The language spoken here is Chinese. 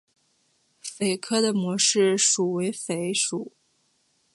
鲱科的模式属为鲱属。